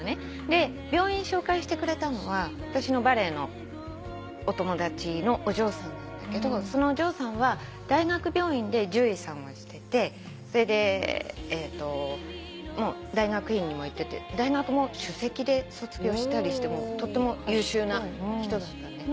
で病院紹介してくれたのは私のバレエのお友達のお嬢さんなんだけどそのお嬢さんは大学病院で獣医さんをしててそれでもう大学院にも行ってて大学も首席で卒業したりしてとても優秀な人だったのね。